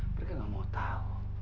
mereka gak mau tahu